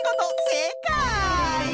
せいかい！